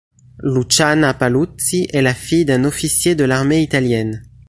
Luciana Paluzzi est la fille d'un officier de l'armée italienne.